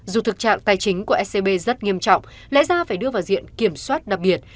dù thực trạng tài chính của scb rất nghiêm trọng lẽ ra phải đưa vào diện kiểm soát đặc biệt